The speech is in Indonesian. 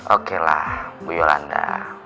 oke lah bu yolanda